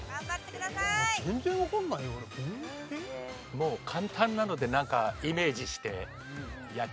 もう簡単なのでなんかイメージしてやっちゃう。